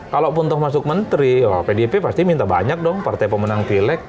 kalau pun untuk masuk menteri pdip pasti minta banyak dong partai pemenang filek